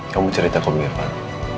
kamu cerita kamu ke irfan